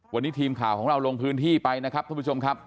วันนี้ทีมข่าวของเราลงพื้นที่ไปนะครับท่านผู้ชมครับ